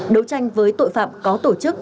đấu tranh với tội phạm có tổ chức